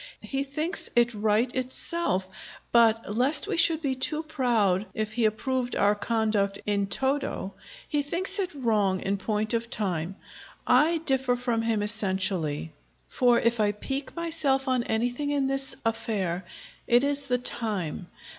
He thinks it right itself; but lest we should be too proud if he approved our conduct in toto, he thinks it wrong in point of time. I differ from him essentially; for if I pique myself on anything in this affair, it is the time.